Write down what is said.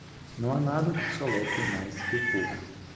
Não há nada que soletre mais que o fogo.